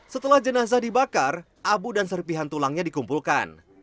setelah jenazah dibakar abu dan serpihan tulangnya dikumpulkan